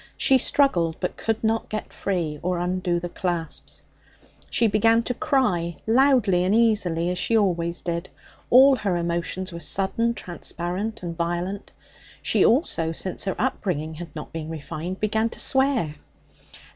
She struggled, but could not get free or undo the clasps. She began to cry, loudly and easily, as she always did. All her emotions were sudden, transparent and violent. She also, since her upbringing had not been refined, began to swear.